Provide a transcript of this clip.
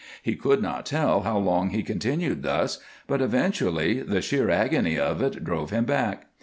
He could not tell how long he continued thus, but eventually the sheer agony of it drove him back.